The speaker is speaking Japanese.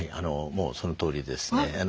もうそのとおりですね。